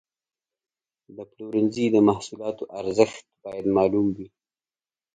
د پلورنځي د محصولاتو ارزښت باید معلوم وي.